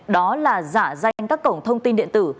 đó là giả danh các cổng thông tin điện tử